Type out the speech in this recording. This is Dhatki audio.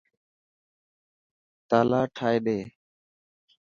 تلا ٺائي ڏي.